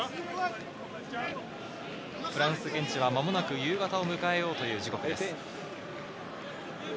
フランス現地は間もなく夕方を迎えようという時刻です。